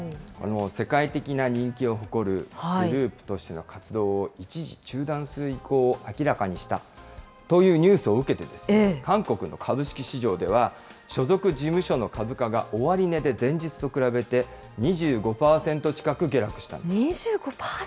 世界的な人気を誇るグループとしての活動を一時、中断する意向を明らかにしたというニュースを受けて、韓国の株式市場では、所属事務所の株価が終値で前日と比べて、２５％近く下落したんです。